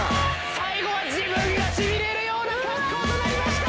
最後は自分がしびれるような格好となりました！